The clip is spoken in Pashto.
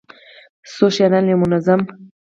څو ښاريان له يو منظم،